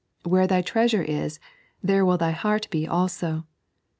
" Where thy treasure is, there will thy heart be altto."